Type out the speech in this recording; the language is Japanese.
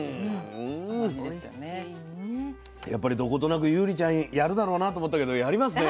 やっぱりどことなくユウリちゃんやるだろうなと思ったけどやりますね